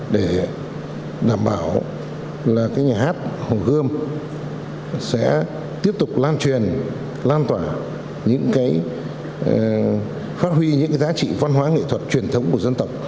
để đảm bảo là cái nhà hát hồ gươm sẽ tiếp tục lan truyền lan tỏa những cái phát huy những cái giá trị văn hóa nghệ thuật truyền thống của dân tộc